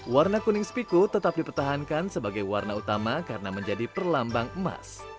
warna kuning sepiku tetap dipertahankan sebagai warna utama karena menjadi perlambang emas